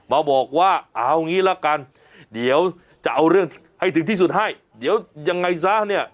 มาบอกว่าเอางี้ละกันเดี๋ยวจะเอาเรื่องให้ถึงที่สุดให้เดี๋ยวยังไงซะเนี่ย